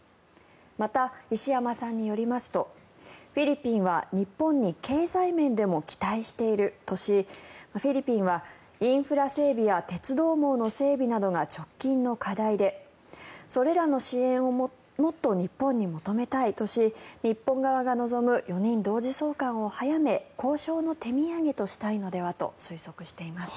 また、石山さんによりますとフィリピンは日本に経済面でも期待しているとしフィリピンはインフラ整備や鉄道網などの整備などが直近の課題で、それらの支援をもっと日本に求めたいとし日本側が望む４人同時送還を早め交渉の手土産としたいのではと推測しています。